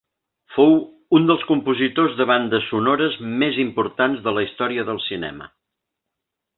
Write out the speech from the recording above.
Fou un dels compositors de bandes sonores més importants de la història del cinema.